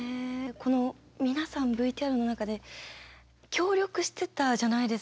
この皆さんＶＴＲの中で協力してたじゃないですか。